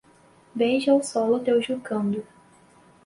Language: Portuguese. Beija o solo teu jucundo